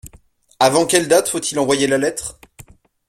Avant quelle date faut-il envoyer la lettre ?